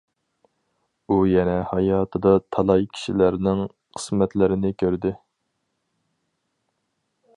ئۇ يەنە ھاياتىدا تالاي كىشىلەرنىڭ قىسمەتلىرىنى كۆردى.